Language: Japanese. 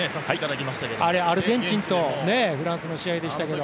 あれアルゼンチンとフランスの試合でしたけど。